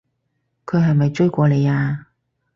佢係咪追過你啊？